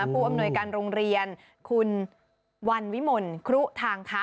ผู้อำนวยการโรงเรียนคุณวันวิมลครุทางคะ